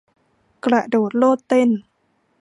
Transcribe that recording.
กระโดดโลดเต้น